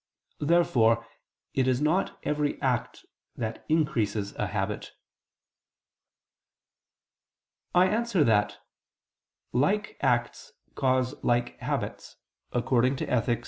Therefore it is not every act that increases a habit. I answer that, "Like acts cause like habits" (Ethic.